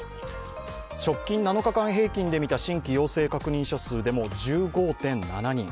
直近７日間平均で見た新規陽性確認者数でも１５．７人。